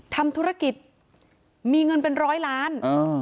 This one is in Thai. ทำธุรกิจมีเงินเป็นร้อยล้าน